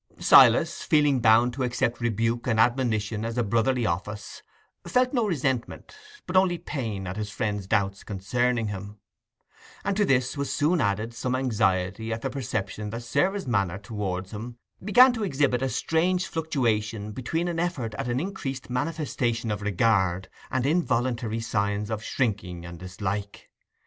Silas, feeling bound to accept rebuke and admonition as a brotherly office, felt no resentment, but only pain, at his friend's doubts concerning him; and to this was soon added some anxiety at the perception that Sarah's manner towards him began to exhibit a strange fluctuation between an effort at an increased manifestation of regard and involuntary signs of shrinking and dislike.